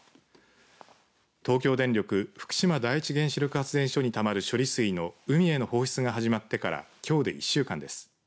東京電力福島第一原子力発電所にたまる処理水の海への放出が始まってからきょうで１週間です。